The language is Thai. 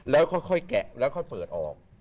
แล้วค่อยแกะแล้วค่อยเปิดออก